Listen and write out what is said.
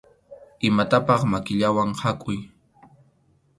Imatapaq makillawan khakuy.